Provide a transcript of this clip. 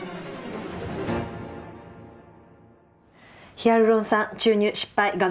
ヒアルロン酸注入失敗画像。